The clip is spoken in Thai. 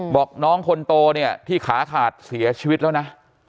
บอกน้องคนโตเนี่ยที่ขาขาดเสียชีวิตแล้วนะ